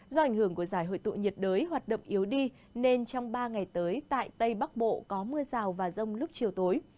do ảnh hưởng của giải hội tụ nhiệt đới hoạt động yếu đi nên trong ba ngày tới tại tây bắc bộ có mưa rào và rông lúc chiều tối